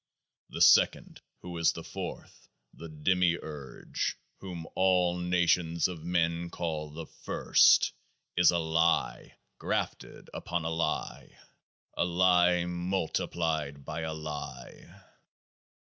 The Second, who is the Fourth, the Demiurge, whom all nations of Men call The First, is a lie grafted upon a lie, a lie multiplied by a lie.